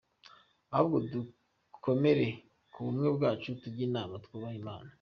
ahubwo dukomere kubumwe bwacu tujye inama twubahe Imana.